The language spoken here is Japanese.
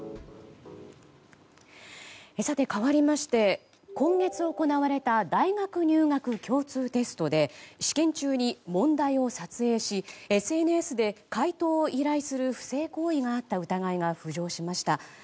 かわりまして、今月行われた大学入学共通テストで試験中に問題を撮影しＳＮＳで解答を依頼する不正行為があった疑いが浮上しました。